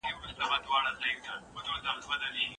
ټولنه د عقل له مخې رهبري کيږي.